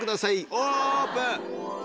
オープン！